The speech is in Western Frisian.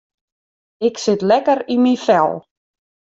Ik sit lekker yn myn fel.